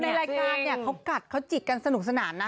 ในรายการเนี่ยเขากัดเขาจิกกันสนุกสนานนะ